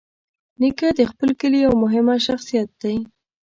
نیکه د خپل کلي یوه مهمه شخصیت دی.